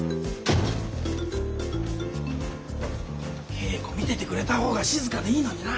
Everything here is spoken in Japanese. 稽古見ててくれた方が静かでいいのにな。